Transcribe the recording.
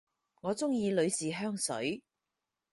我鍾意女士香水